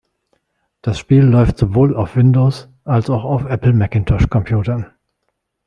Das Spiel läuft sowohl auf Windows- als auch auf Apple-Macintosh-Computern.